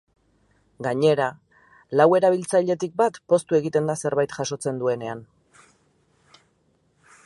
Gainera, lau erabiltzailetik bat poztu egiten da zerbait jasotzen duenean.